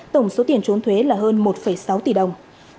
tổng số tiền trốn thuế là hơn một sáu tỷ đồng